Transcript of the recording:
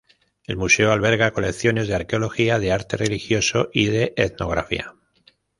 El museo alberga colecciones de arqueología, de arte religioso y de etnografía.